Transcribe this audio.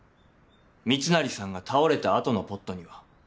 密成さんが倒れた後のポットには。